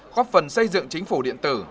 góp phần xây dựng chính phủ điện tử